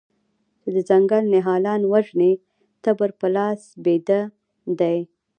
چې د ځنګل نهالان وژني تبر په لاس بیده دی